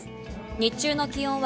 日中の気温は